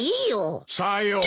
さよう。